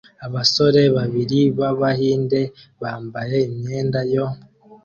abasore babiri b'Abahinde bambaye imyenda yo